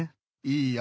いいよ。